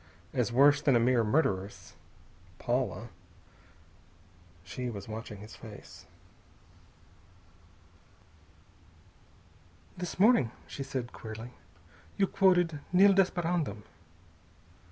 As worse than a mere murderess, Paula.... She was watching his face. "This morning," she said queerly, "you you quoted 'Nil desperandum.'"